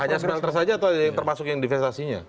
hanya smelter saja atau yang termasuk yang divestasinya